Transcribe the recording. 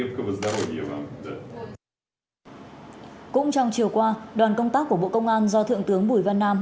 cũng trong chiều qua đoàn công tác của bộ công an do thượng tướng bùi văn nam